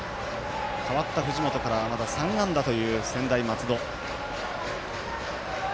代わった藤本からはまだ３安打という専大松戸。